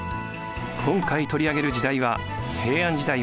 今回取り上げる時代は平安時代